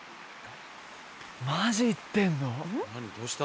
マジ言ってんの？